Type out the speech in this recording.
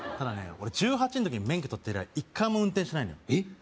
俺１８ん時に免許とって以来一回も運転してないのえっ？